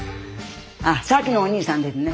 あっさっきのお兄さんですね。